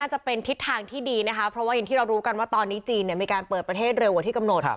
จะเป็นทิศทางที่ดีนะคะเพราะว่าอย่างที่เรารู้กันว่าตอนนี้จีนมีการเปิดประเทศเร็วกว่าที่กำหนด